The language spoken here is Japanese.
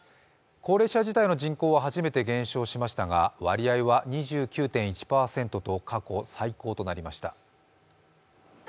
高齢者自体の人口は初めて減少しましたが、割合は２９．１％と過去最高となりました。